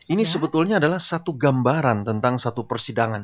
ini sebetulnya adalah satu gambaran tentang satu persidangan